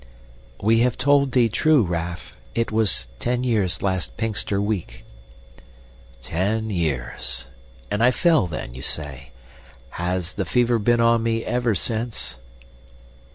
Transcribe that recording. "We have told thee true, Raff. It was ten years last Pinxter week." "Ten years and I fell then, you say? Has the fever been on me ever since?"